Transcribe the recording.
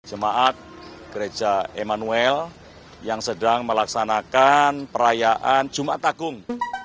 jemaat gereja emmanuel yang sedang melaksanakan perayaan jumat agung